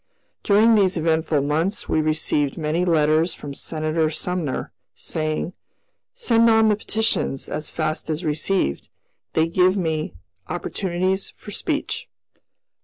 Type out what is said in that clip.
During these eventful months we received many letters from Senator Sumner, saying, "Send on the petitions as fast as received; they give me opportunities for speech."